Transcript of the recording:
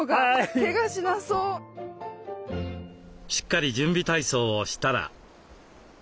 しっかり準備体操をしたら。